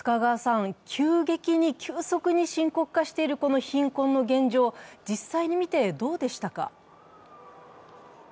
急激に急速に深刻化している貧困の現状を実際に見てどうでしたか？